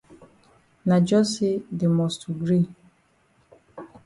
Na jus say dey must to gree.